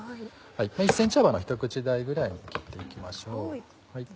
１ｃｍ幅の一口大ぐらいに切っていきましょう。